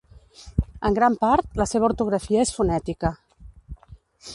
En gran part, la seva ortografia és fonètica.